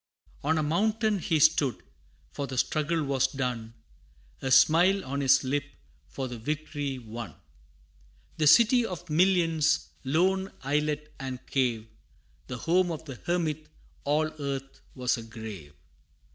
III. On a mountain he stood, for the struggle was done, A smile on his lip for the victory won. The city of millions, lone islet and cave, The home of the hermit, all earth was a grave!